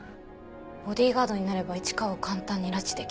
ボディーガードになれば市川を簡単に拉致できる。